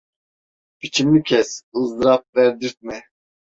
Biçimli kes, ızdırap verdirtme…